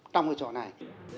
trong cái chỗ này